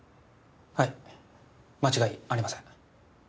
はい間違いありません。